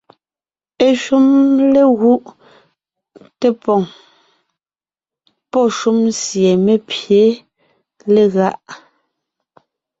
Eshúm légúʼ té poŋ pɔ́ shúm sie mé pye legáʼ.